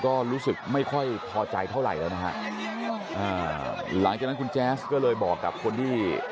ก็รู้สึกไม่ค่อยพอใจเท่าไหร่แล้วนะฮะอ่าหลังจากนั้นคุณแจ๊สก็เลยบอกกับคนที่